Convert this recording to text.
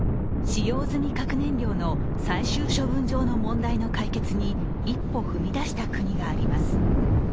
使用済み核燃料の最終処分場の問題の解決に一歩踏み出した国があります。